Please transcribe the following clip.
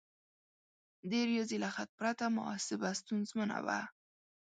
د ریاضي له خط پرته محاسبه ستونزمنه وه.